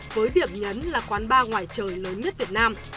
với điểm nhấn là quán bar ngoài trời lớn nhất việt nam